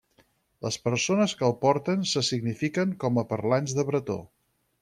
Les persones que el porten se signifiquen com a parlants de bretó.